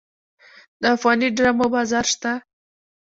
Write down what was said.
د افغاني ډرامو بازار شته؟